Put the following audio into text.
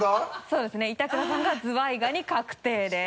そうですね板倉さんがズワイガニ確定で。